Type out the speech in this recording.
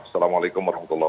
assalamualaikum wr wb